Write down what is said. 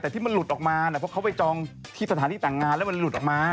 แต่ที่มันหลุดออกมาเพราะเขาไปจองที่สถานที่แต่งงานแล้วมันหลุดออกมา